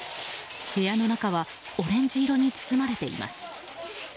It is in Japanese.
部屋の中はオレンジ色に包まれています。